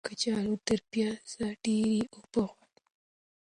کچالو تر پیازو ډیرې اوبه غواړي.